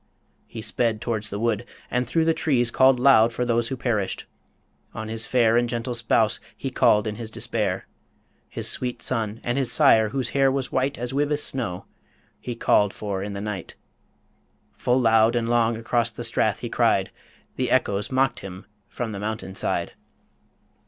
He sped towards the wood, and through the trees Called loud for those who perished. On his fair And gentle spouse he called in his despair. His sweet son, and his sire, whose hair was white As Wyvis snow, he called for in the night. Full loud and long across the Strath he cried The echoes mocked him from the mountain side.